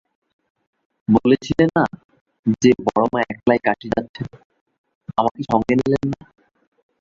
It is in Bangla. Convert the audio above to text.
বলছিলে না, যে, বড়োমা একলাই কাশী যাচ্ছেন, আমাকে সঙ্গে নিলেন না?